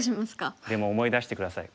でも思い出して下さい。